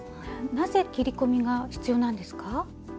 なぜ切り込みが必要なんですか？